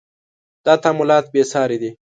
• دا تعاملات بې ساري دي.